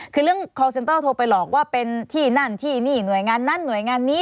คือเรื่องคอลเซนเตอร์โทรไปหลอกว่าเป็นที่นั่นที่นี่หน่วยงานนั้นหน่วยงานนี้